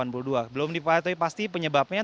belum dipatuhi pasti penyebabnya